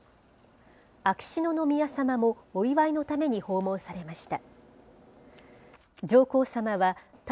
秋篠宮さまもお祝いのために訪問されました。